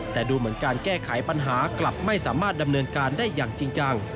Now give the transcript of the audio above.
แต่ดูเหมือนการแก้ไขปัญหากลับไม่สามารถดำเนินการได้อย่างจริงจัง